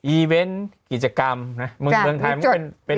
อีเวนต์กิจกรรมนะมึงเมืองไทยมึงเป็น